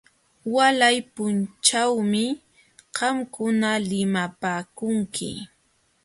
Walay punchawmi qamkuna limapaakunki.